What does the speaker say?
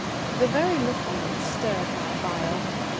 The very look on it stirred my bile.